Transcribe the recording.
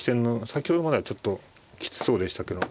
先ほどまではちょっときつそうでしたけど。